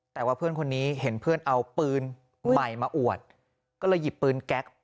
แต่ว่าเพื่อนคนนี้เห็นเพื่อนเอาปืนใหม่มาอวดก็เลยหยิบปืนแก๊ก